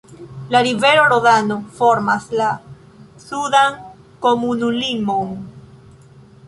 La rivero Rodano formas la sudan komunumlimon.